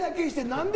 何で？